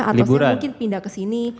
atau mungkin pindah kesini